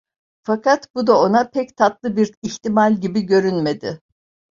Fakat bu da ona pek tatlı bir ihtimal gibi görünmedi.